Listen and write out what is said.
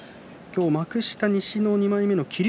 幕下西の２枚目木竜